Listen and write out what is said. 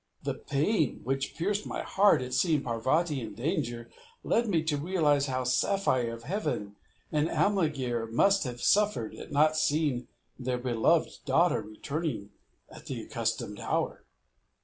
The pain which pierced my heart at seeing Parvati in danger led me to realize how Saphire of Heaven and Alemguir must have suffered at not seeing their beloved daughter return at the accustomed hour.